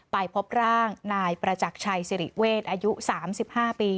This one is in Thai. ไปพบร่างนายประจักรชัยสิริเวศอายุ๓๕ปี